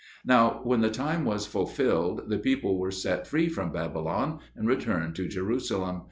Now when the time was fulfilled, the people were set free from Babylon, and returned to Jerusalem.